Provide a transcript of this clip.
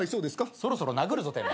そろそろ殴るぞてめえ。